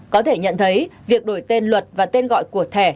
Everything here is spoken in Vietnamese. có thể nhận thấy việc đổi tên luật và tên gọi của thẻ